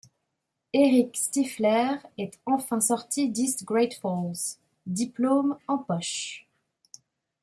Erik Stifler est enfin sorti d'East Great Falls, diplôme en poche.